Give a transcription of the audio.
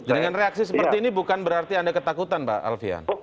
dengan reaksi seperti ini bukan berarti anda ketakutan pak alfian